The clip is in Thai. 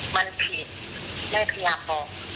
มันผิดแม่พยายามบอก